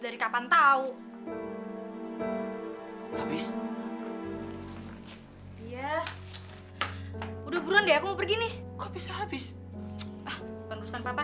ah penurusan papa